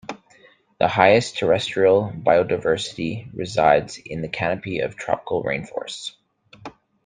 The highest terrestrial biodiversity resides in the canopy of tropical rainforests.